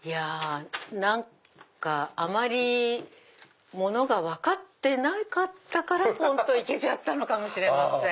何かあまりものが分かってなかったからポン！と行けたのかもしれません。